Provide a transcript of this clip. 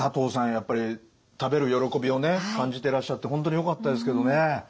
やっぱり食べる喜びを感じてらっしゃって本当によかったですけどね。